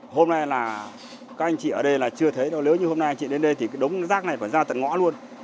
hôm nay là các anh chị ở đây là chưa thấy nó nếu như hôm nay chị đến đây thì cái đống rác này phải ra tận ngõ luôn